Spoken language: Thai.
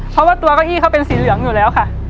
เพราะว่าตัวเก้าอี้เขาเป็นสีเหลืองอยู่แล้วค่ะ